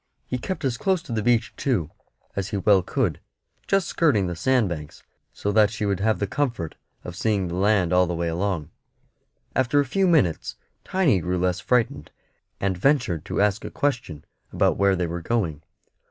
He kept as close to the beach, too, as he well could, just skirting the sand banks, so that she should have the comfort of seeing the land all the way along. After a few minutes Tiny grew less frightened, and ventured to ask a question about where they were going.